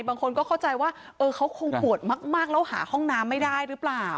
บางคนก็เข้าใจว่าเขาคงปวดมากแล้วหาห้องน้ำไม่ได้หรือเปล่า